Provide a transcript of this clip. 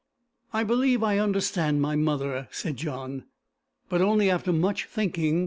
"I believe I understand my mother," said John, " but only after much thinking.